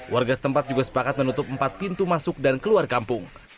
warga setempat juga sepakat menutup empat pintu masuk dan keluar kampung